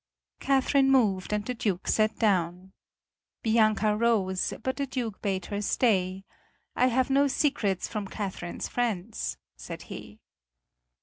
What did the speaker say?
Catherine moved, and the Duke sat down. Bianca rose, but the Duke bade her stay. "I have no secrets from Catherine's friends," said he.